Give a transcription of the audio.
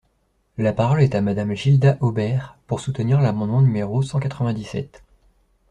La parole est à Madame Gilda Hobert, pour soutenir l’amendement numéro cent quatre-vingt-dix-sept.